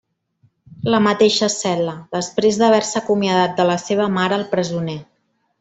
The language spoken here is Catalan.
La mateixa cel·la, després d'haver-se acomiadat de la seva mare el presoner.